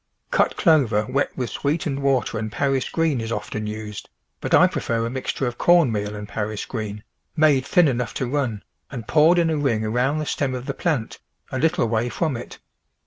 Cut clover wet Avith sweetened water and Paris green is often used, but I prefer a mixture of corn meal and Paris green, made thin enough to run, and poured in a ring around the stem of the plant, a little way from it.